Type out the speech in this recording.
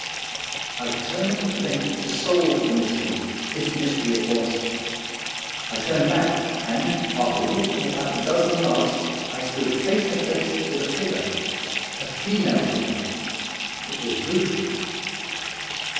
I determined at length to solve the mystery, if mystery it was. I turned back, and, after walking about a dozen yards, I stood face to face with a figure — a female figure. It was Euth.